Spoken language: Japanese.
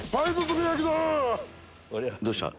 どうした？